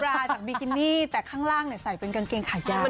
จากบิกินี่แต่ข้างล่างใส่เป็นกางเกงขายาว